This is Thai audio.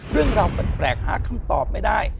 เรื่องราวแปลกหาคำตอบไม่ได้